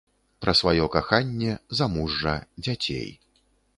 Пра сваё каханне, замужжа, дзяцей.